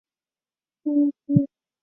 鸵鸟只有两根脚趾。